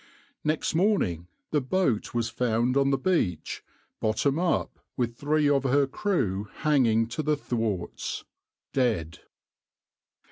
Next morning the boat was found on the beach bottom up with three of her crew hanging to the thwarts dead.